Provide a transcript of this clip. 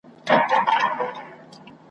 زه به څنګه د پېغلوټو د پېزوان کیسه کومه ,